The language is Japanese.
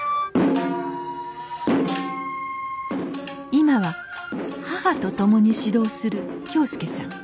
今は母と共に指導する恭将さん。